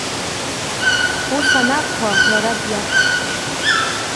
Ус анакәха, лара диашоуп.